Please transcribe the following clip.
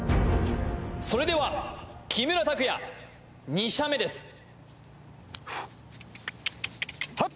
それでは木村拓哉２射目ですフウーッハッ！